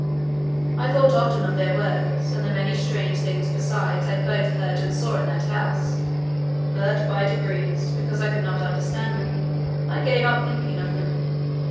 I thought often of their words, and the many strange things besides I both heard and saw in that house; but by degrees, because I could not understand them, I gave up thinking of them.